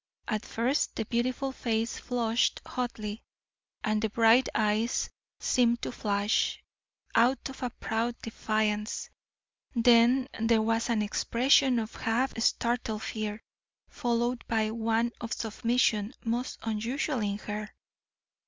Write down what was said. At first the beautiful face flushed hotly, and the bright eyes seemed to flash out a proud defiance. Then there was an expression of half startled fear, followed by one of submission most unusual in her.